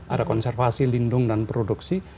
ada konservasi lindung dan produksi